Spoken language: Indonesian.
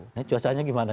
ini cuacanya gimana